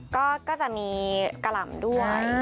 ก็จะมีกะหล่ำด้วย